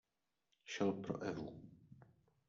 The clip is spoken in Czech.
Šel pro Evu.